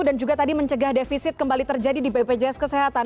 dan juga tadi mencegah divisit kembali terjadi di bpjs kesehatan